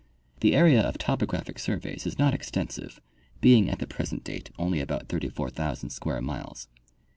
The area of topographic suryeys is not extensive, being at the present date only about 34,000 square miles.